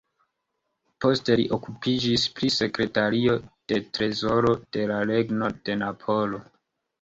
Poste li okupiĝis pri sekretario de trezoro de la Regno de Napolo.